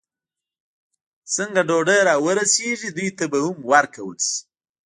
څنګه ډوډۍ را ورسېږي، دوی ته به هم ورکول شي.